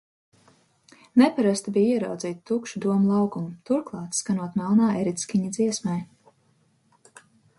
Neparasti bija ieraudzīt tukšu Doma laukumu, turklāt skanot melnā erickiņa dziesmai.